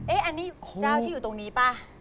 อ๋อเอะอันนี้ชาวที่อยู่ตรงนี้ป่ะ